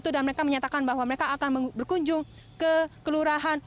dan mereka menyatakan bahwa mereka akan berkunjung ke kelurahan